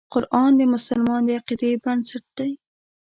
قرآن د مسلمان د عقیدې بنسټ دی.